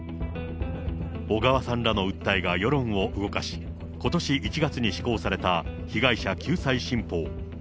小川さんらの訴えが世論を動かし、ことし１月に施行された被害者救済新法。